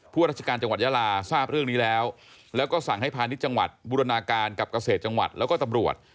ราชการจังหวัดยาลาทราบเรื่องนี้แล้วแล้วก็สั่งให้พาณิชย์จังหวัดบูรณาการกับเกษตรจังหวัดแล้วก็ตำรวจ